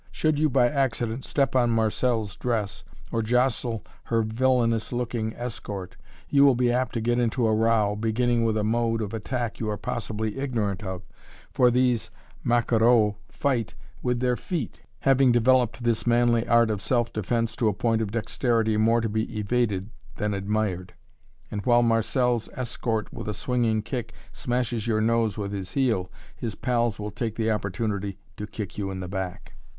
Should you by accident step on Marcelle's dress or jostle her villainous looking escort, you will be apt to get into a row, beginning with a mode of attack you are possibly ignorant of, for these "maquereaux" fight with their feet, having developed this "manly art" of self defense to a point of dexterity more to be evaded than admired. And while Marcelle's escort, with a swinging kick, smashes your nose with his heel, his pals will take the opportunity to kick you in the back.